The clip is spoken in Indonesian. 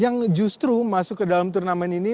yang justru masuk ke dalam turnamen ini